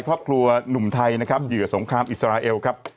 ครอบครัวหนุ่มไทยนะครับเหยื่อสงครามอิสราเอลครับ